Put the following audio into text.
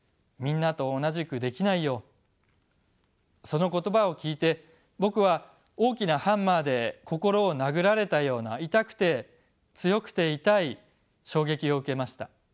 その言葉を聞いて僕は大きなハンマーで心を殴られたような痛くて強くて痛い衝撃を受けました。